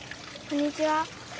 こんにちは。